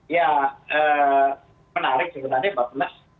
ya menarik sebenarnya bapenas